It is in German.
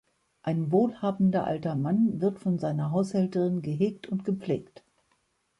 Ein wohlhabender alter Mann wird von seiner Haushälterin gehegt und gepflegt.